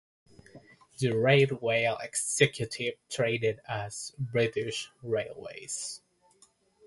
The Railway Executive traded as "British Railways".